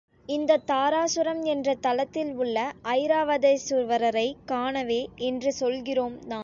இந்தத் தாராசுரம் என்ற தலத்தில் உள்ள ஐராவதேசுவரரைக் காணவே இன்று சொல்கிறோம் நாம்.